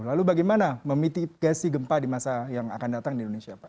lalu bagaimana memitigasi gempa di masa yang akan datang di indonesia pak